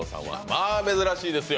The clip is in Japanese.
まあ、珍しいですよ。